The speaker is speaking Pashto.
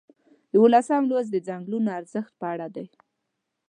یوولسم لوست د څنګلونو ارزښت په اړه دی.